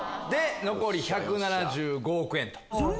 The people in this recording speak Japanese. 残り１７５億円。